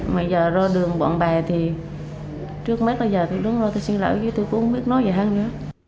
mà giờ ra đường bọn bè thì trước mắt bây giờ tôi đứng ra tôi xin lỗi tôi cũng không biết nói gì hơn nữa